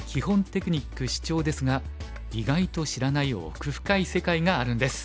テクニックシチョウですが意外と知らない奥深い世界があるんです。